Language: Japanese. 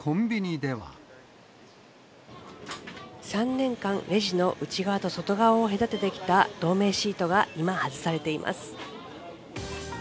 ３年間、レジの内側と外側を隔ててきた透明シートが今、外されています。